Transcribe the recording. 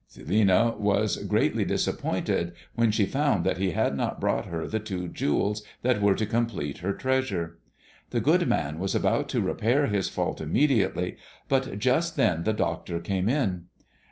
Celinina was greatly disappointed when she found that he had not brought her the two jewels that were to complete her treasure. The good man was about to repair his fault immediately, but just then the doctor came in.